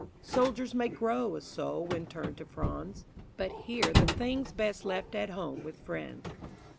Soldiers may grow a soul when turned to fronds, But here the thing's best left at home with friends.